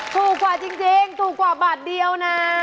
ถูกกว่าจริงถูกกว่าบาทเดียวนะ